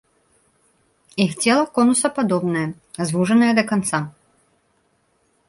Іх цела конусападобнае, звужанае да канца.